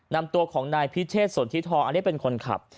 นำตัวของนายพิเชษสนทิทองอันนี้เป็นคนขับ